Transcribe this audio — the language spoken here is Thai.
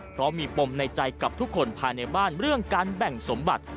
เพราะมีปมในใจกับทุกคนภายในบ้านเรื่องการแบ่งสมบัติ